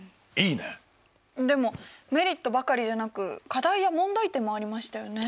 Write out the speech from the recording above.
でもメリットばかりじゃなく課題や問題点もありましたよね。